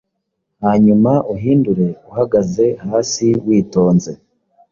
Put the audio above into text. hanyuma uhindure uhagaze hasi witonze